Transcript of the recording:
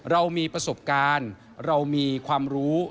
เรามีประสบการณ์เรามีความรู้